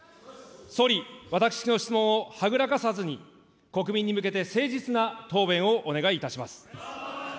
総理、私の質問をはぐらかさずに国民に向けて誠実な答弁をお願いいたします。